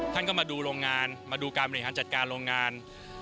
ท่านก็มาดูโรงงานมาดูการบริหารจัดการโรงงาน